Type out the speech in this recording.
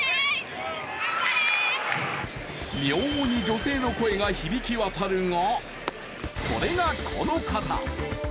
妙に女性の声が響き渡るが、それがこの方。